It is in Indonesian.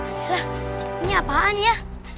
bella ini apaan ya